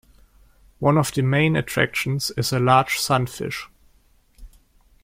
One of the main attractions is a large sunfish.